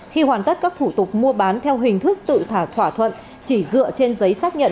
khi hoàn tất các thủ tục mua bán theo hình thức tự thả thỏa thuận chỉ dựa trên giấy xác nhận